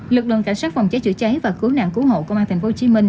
lực lượng cảnh sát phòng cháy chữa cháy và cứu nạn cứu hộ công an tp hcm